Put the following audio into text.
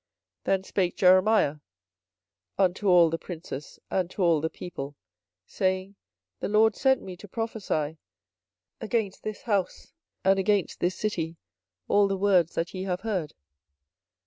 24:026:012 Then spake Jeremiah unto all the princes and to all the people, saying, The LORD sent me to prophesy against this house and against this city all the words that ye have heard.